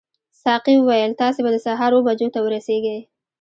ساقي وویل تاسي به د سهار اوو بجو ته ورسیږئ.